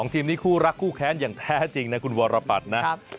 ทีมนี้คู่รักคู่แค้นอย่างแท้จริงนะคุณวรปัตย์นะ